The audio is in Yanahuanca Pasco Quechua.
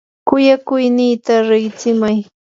kuyakuynikita riqitsimay.